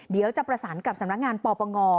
เดี๋ยวจะประสานกับสำนักงานปปง